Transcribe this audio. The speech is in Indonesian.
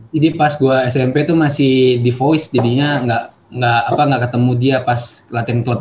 jadi pas gua smp itu masih di voice jadinya gak apa gak ketemu dia pas latihan kelas kan